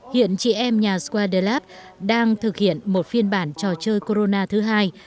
hiện chị em nhà squaderlab đang thực hiện một phiên bản trò chơi corona thứ hai